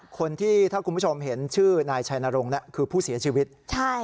คนที่ถ้าคุณผู้ชมเห็นชื่อนายชัยนรงค์คือผู้เสียชีวิต